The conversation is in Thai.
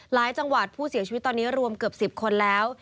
จังหวัดผู้เสียชีวิตตอนนี้รวมเกือบ๑๐คนแล้ว